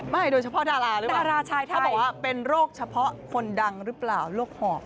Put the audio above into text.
โดยเฉพาะดาราหรือเปล่าถ้าบอกว่าเป็นโรคเฉพาะคนดังหรือเปล่าโรคหอบ